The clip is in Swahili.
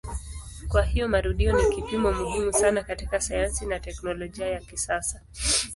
Kwa hiyo marudio ni kipimo muhimu sana katika sayansi na teknolojia ya kisasa.